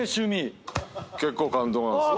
結構感動なんすよ。